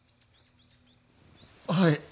はい。